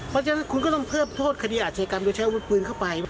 เพราะฉะนั้นคุณก็ต้องเพิ่มโทษคดีอาชญากรรมโดยใช้อาวุธปืนเข้าไป